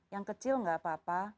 yang kecil nggak apa apa